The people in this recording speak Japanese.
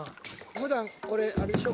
普段これあれでしょ？